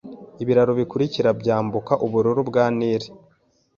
Ibiraro bikurikira byambuka Ubururu bwa Nili